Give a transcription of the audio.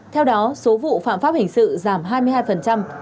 theo đó số vụ phạm pháp hình sự giảm hai mươi hai